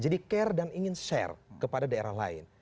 jadi care dan ingin share kepada daerah lain